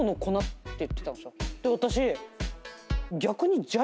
私。